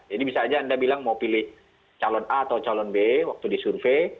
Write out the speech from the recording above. jadi bisa saja anda bilang mau pilih calon a atau calon b waktu disurvei